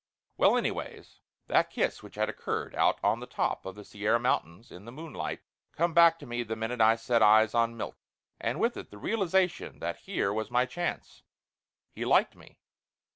Well anyways, that kiss which had occurred out on the top of the Sierra Mountains in the moonlight, come back to me the minute I set eyes on Milt, and with it the realization that here was my chance! He liked me.